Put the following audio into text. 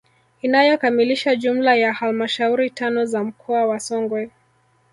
Inayokamilisha jumla ya halmashauri tano za mkoa wa Songwe